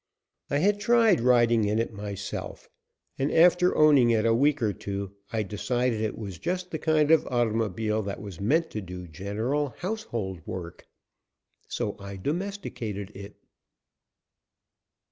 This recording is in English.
I had tried riding in it myself, and after owning it a week or two I decided it was just the kind of automobile that was meant to do general household work. So I domesticated it.